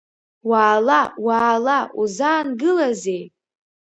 Уаала, уаала, узаангылазеи?